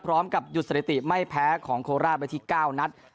พร้อมกับหยุดสถิติไม่แพ้ของโคราชไปที่๙นัด